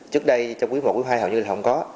trước đây trong quý một quý hai hầu như là không có